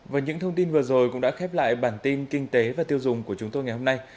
và những thông tin vừa rồi cũng đã khép lại bộ phim này cảm ơn các bạn đã theo dõi và hẹn gặp lại